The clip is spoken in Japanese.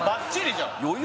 じゃん